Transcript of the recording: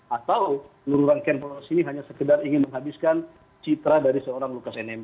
atau luruhan camplos ini hanya sekedar ingin menghabiskan citra dari seorang lukas nmb